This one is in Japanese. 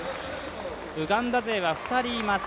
ウガンダ勢は２人います。